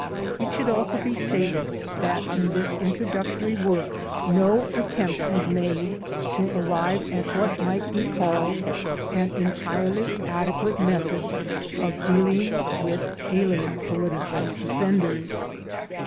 It should also be stated that in this introductory word * See Appendix I. 6 THE DEPORTATION CASES no attempt is made to arrive at what might be called an entirely adequate method of dealing with alien political offenders.